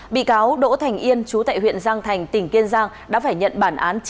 bị cáo đỗ thành yên chú tại huyện giang thành tỉnh kiên giang đã phải nhận bản án